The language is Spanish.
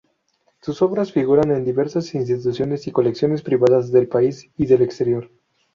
Sus obras figuran en diversas instituciones y colecciones privadas del país y del exterior.